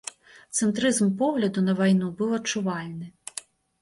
Цэнтрызм погляду на вайну быў адчувальны.